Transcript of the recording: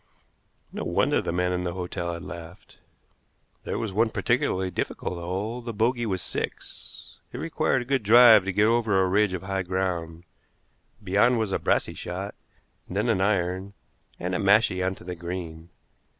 No wonder the man in the hotel had laughed. There was one particularly difficult hole. The bogey was six. It required a good drive to get over a ridge of high ground; beyond was a brassey shot, then an iron, and a mashie on to the green.